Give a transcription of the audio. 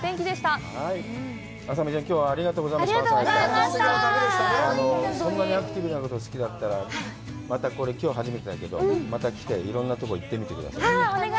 そんなにアクティブなことが好きだったら、またこれ、きょう初めてだけどまた来て、いろんなところに行ってみてください。